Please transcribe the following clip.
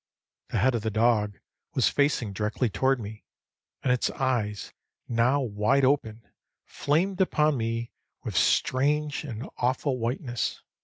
The head of the dog was facing directly toward me, and its eyes, now wide open, flamed upon me with strange and awful whiteness.